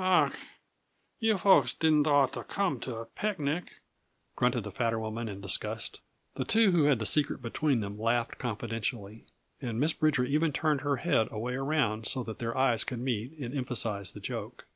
"Ach, you folks didn'd ought to come to a picnic!" grunted the fatter woman in disgust. The two who had the secret between them laughed confidentially, and Miss Bridger even turned her head away around so that their eyes could meet and emphasize the joke.